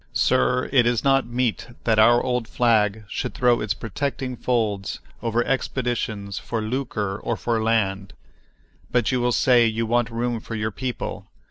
Sir, it is not meet that our old flag should throw its protecting folds over expeditions for lucre or for land. But you still say you want room for your people.